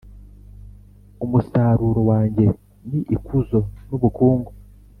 umusaruro wanjye ni ikuzo n’ubukungu.